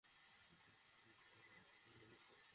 সে কাঁচের টুকরোর মতো এটার পাশ দিয়ে চলে যাবে।